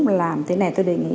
mình làm thế này tôi đề nghị